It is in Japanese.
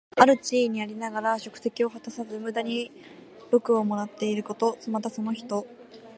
ある地位にありながら職責を果たさず、無駄に禄をもらっていること。また、その人。